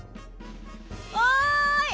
おい！